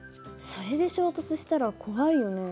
それで衝突したら怖いよね。